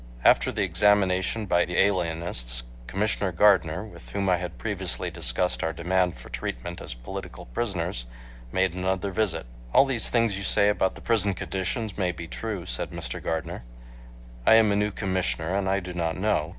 After the examination by the alienists, Commissioner Gardner, with whom I had previously discussed our demand for treatment as political prisoners, made another visit. "All these things you say about the prison conditions may be true," said Mr. Gardner, "I am a new Commissioner, and I do not know.